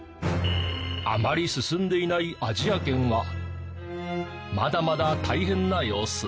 あまり進んでいないアジア圏はまだまだ大変な様子。